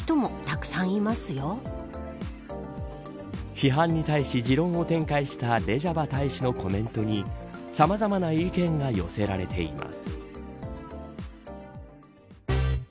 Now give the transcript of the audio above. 批判に対し持論を展開したレジャバ大使のコメントにさまざまな意見が寄せられています。